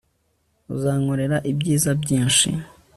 Uzankorera ibyiza byinshi